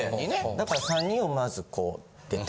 だから３人をまずこう出て。